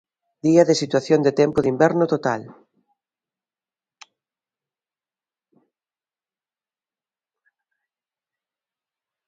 Día de situación de tempo de inverno total.